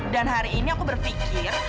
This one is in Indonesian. dan hari ini aku berpikir